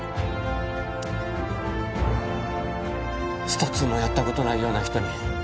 スト Ⅱ もやったことないような人に